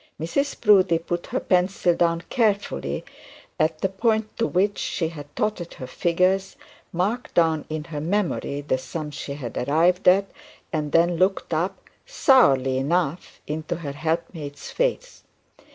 Mrs Proudie put her pencil down carefully at the point to which she had dotted her figures, marked down in her memory the sum she had arrived at, and then looked up, sourly enough, into her helpmate's face.